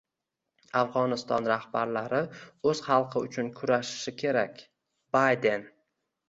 “Afg‘oniston rahbarlari o‘z xalqi uchun kurashishi kerak” — Bayden